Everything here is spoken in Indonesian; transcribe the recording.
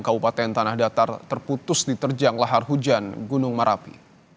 kaupaten tanah datar terputus di terjang lahar hujan gunung marapi